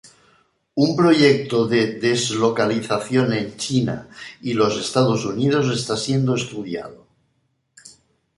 Un proyecto de deslocalización en China y lo Estados Unidos está siendo estudiado.